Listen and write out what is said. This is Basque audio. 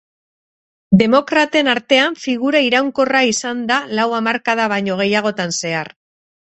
Demokraten artean figura iraunkorra izan da lau hamarkada baino gehiagotan zehar.